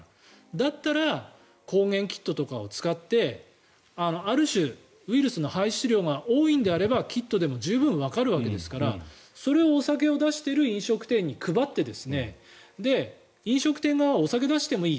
だったら抗原キットとかを使ってある種、ウイルスの排出量が多いのであればキットでも十分わかるわけですからそれをお酒を出している飲食店に配って飲食店側はお酒を出してもいい。